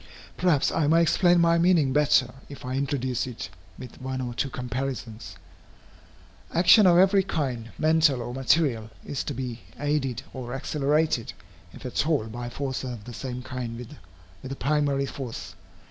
Perhaps I may explain my meaning better, if I introduce it with one or two comparisons. Action of every kind, mental or material, is to be aided or accelerated, if at all, by forces of the same kind with the primary force.